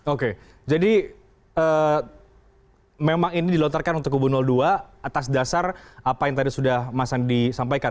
oke jadi memang ini dilontarkan untuk kubu dua atas dasar apa yang tadi sudah mas andi sampaikan